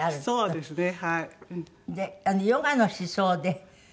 そうですね。